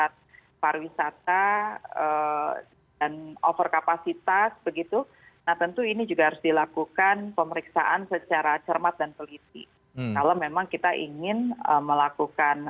terima kasih pak presiden